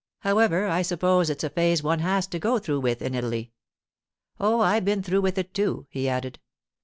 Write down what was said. However, I suppose it's a phase one has to go through with in Italy. Oh, I've been through with it, too,' he added.